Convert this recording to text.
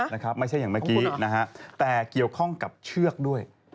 ไม่ใช่อย่างเมื่อกี้นะฮะแต่เกี่ยวข้องกับเชือกด้วย